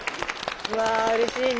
うわうれしいね。